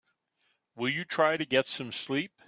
Will you try to get some sleep?